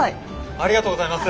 ありがとうございます！